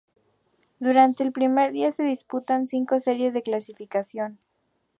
Durante el primer día se disputan cinco series de clasificación.